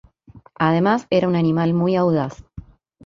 Además era un animal muy audaz.